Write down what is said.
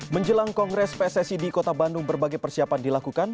menjelang kongres pssi di kota bandung berbagai persiapan dilakukan